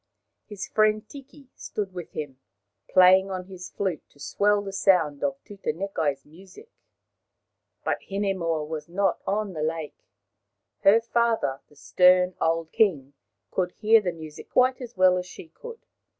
His friend Tiki stood with him, playing on his flute to swell the sound of Tutanekai's music. But Hinemoa was not on the lake. Her father, the stern old king, could hear the music quite as well as she could.